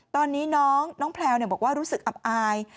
ตอนนี้น้องแพลวบอกว่ารู้สึกอับอาย